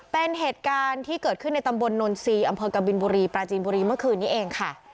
เป็นเหตุการณ์ที่เกิดขึ้นในตำบลนนทรีย์อำเภอกบินบุรีปราจีนบุรีเมื่อคืนนี้เองค่ะ